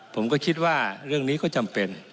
ผมก็คิดว่าเรื่องนี้ก็จำเป็น